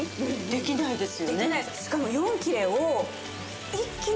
できないです。